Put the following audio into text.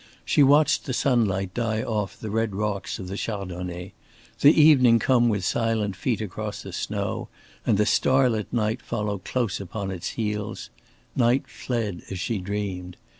She watched the sunlight die off the red rocks of the Chardonnet, the evening come with silent feet across the snow, and the starlit night follow close upon its heels; night fled as she dreamed.